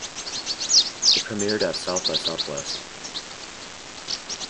It premiered at South by Southwest.